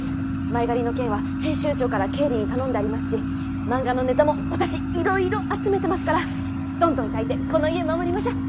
前借りの件は編集長から経理に頼んでありますし漫画のネタも私いろいろ集めてますからどんどん描いてこの家守りましょッ！